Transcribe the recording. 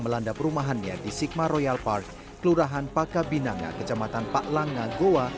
melanda perumahannya di sigma royal park kelurahan pakabinanga kecamatan pak langa goa